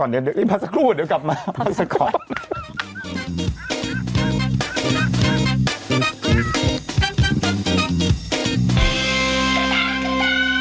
เดี๋ยวรีบพักสักครู่เดี๋ยวกลับมาพักสักครู่